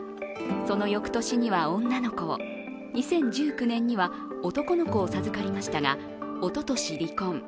その翌年には女の子を２０１９年には男の子を授かりましたが、おととし離婚。